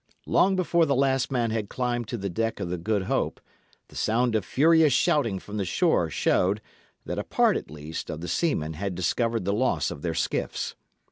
Long before the last man had climbed to the deck of the Good Hope, the sound of furious shouting from the shore showed that a part, at least, of the seamen had discovered the loss of their skiffs.